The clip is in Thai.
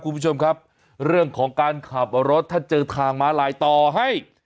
คุณผู้ชมครับเรื่องของการขับรถถ้าเจอทางม้าลายต่อให้